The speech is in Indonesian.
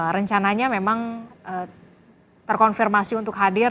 rencananya memang terkonfirmasi untuk hadir